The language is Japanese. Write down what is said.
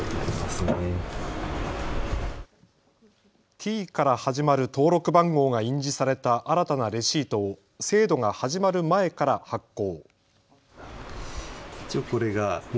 Ｔから始まる登録番号が印字された新たなレシートを制度が始まる前から発行。